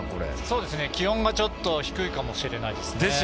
気温がちょっと低いかもしれないですね。